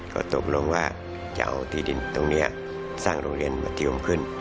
ก็ตกลงว่าจะเอาที่ดินตรงนี้สร้างโรงเรียนมัธยมขึ้น